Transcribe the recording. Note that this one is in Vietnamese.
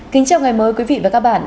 kính chào ngày mới quý vị và các bạn